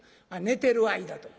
寝てる間と。